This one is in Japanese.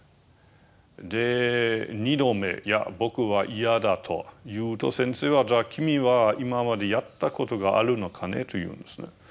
で２度目いや僕は嫌だと言うと先生は「じゃあ君は今までやったことがあるのかね？」と言うんですね。